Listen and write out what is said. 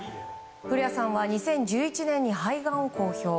古谷さんは２０１７年に肺がんを公表。